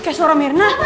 kayak suara mirna